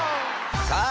さあ